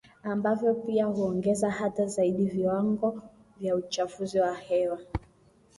ambayo pia huongeza hata zaidi viwango vya uchafuzi wa hewa